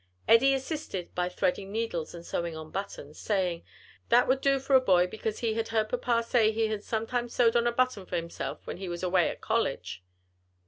Eddie assisted by threading needles and sewing on buttons, saying "that would do for a boy because he had heard papa say he had sometimes sewed on a button for himself when he was away at college."